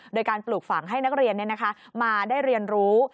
โดยการปลูกฝังให้นักเรียนมาได้เรียนรู้